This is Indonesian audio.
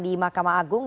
di makam agung